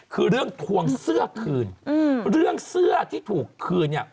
คือเรื่องทวงเสื้อคืนเรื่องเสื้อที่ถูกคืนเนี่ย